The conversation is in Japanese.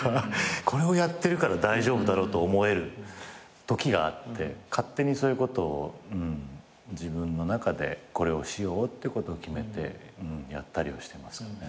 これをやってるから大丈夫だろうと思えるときがあって勝手にそういうことを自分の中でこれをしようってことを決めてやったりはしてますかね。